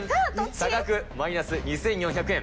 差額マイナス２４００円。